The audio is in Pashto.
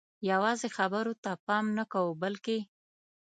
یوازې خبرو ته پام نه کوو بلکې